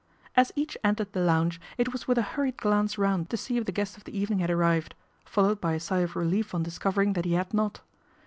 As each entered the lounge, it was with a hurried glance round to see if the guest of the evening had arrived, followed by a sigh of relief on discovering that he had not.